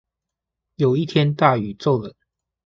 有一天大雨驟冷